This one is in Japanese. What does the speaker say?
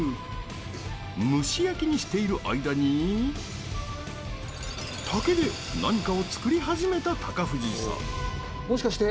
蒸し焼きにしている間に竹で何かを作り始めた高藤さん。